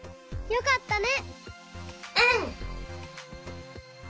よかったね。